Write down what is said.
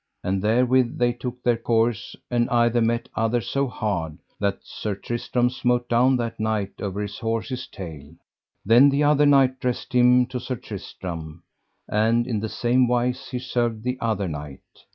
And therewith they took their course, and either met other so hard that Sir Tristram smote down that knight over his horse's tail. Then the other knight dressed him to Sir Tristram, and in the same wise he served the other knight.